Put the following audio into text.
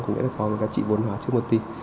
cũng nghĩa là có cái giá trị bồn hóa trước một tỷ